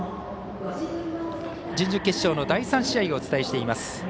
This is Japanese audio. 準々決勝の第３試合をお伝えしています。